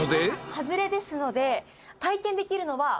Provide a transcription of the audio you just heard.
ハズレですので。